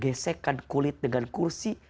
dia meresekkan kulit dengan kursi